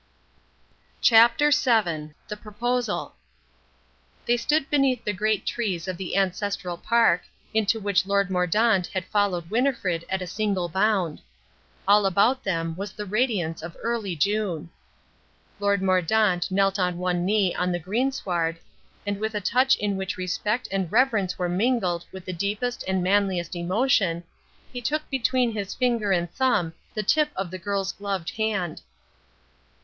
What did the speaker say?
CHAPTER VII THE PROPOSAL They stood beneath the great trees of the ancestral park, into which Lord Mordaunt had followed Winnifred at a single bound. All about them was the radiance of early June. Lord Mordaunt knelt on one knee on the greensward, and with a touch in which respect and reverence were mingled with the deepest and manliest emotion, he took between his finger and thumb the tip of the girl's gloved hand.